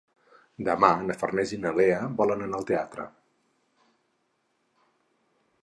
Demà na Farners i na Lea volen anar al teatre.